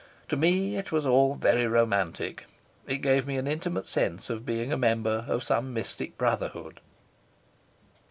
To me it was all very romantic. It gave me an intimate sense of being a member of some mystic brotherhood.